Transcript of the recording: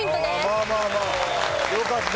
まあまあまあよかった。